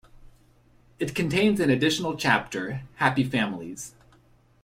It contains an additional chapter, "Happy Families".